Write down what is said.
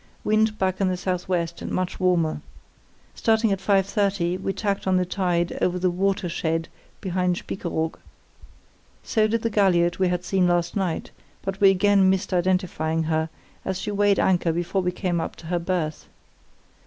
Wind back in the SW and much warmer. Starting at 5.30 we tacked on the tide over the 'watershed' behind Spiekeroog. So did the galliot we had seen last night, but we again missed identifying her, as she weighed anchor before we came up to her berth.